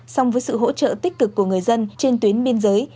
song với sự hỗ trợ tích cực của người dân trên tuyến biên giới